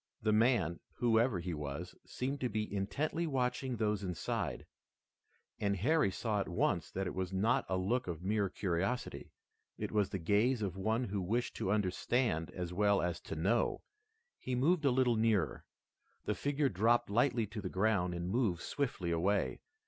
The man, whoever he was, seemed to be intently watching those inside, and Harry saw at once that it was not a look of mere curiosity. It was the gaze of one who wished to understand as well as to know. He moved a little nearer. The figure dropped lightly to the ground and moved swiftly away.